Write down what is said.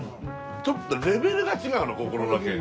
ちょっとレベルが違うのここのだけ。